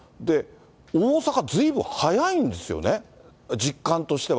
大阪、ずいぶん早いんですよね、実感としては。